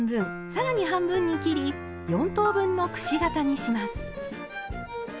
さらに半分に切り４等分のくし形にします。